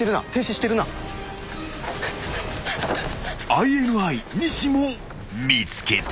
［ＩＮＩ西も見つけた］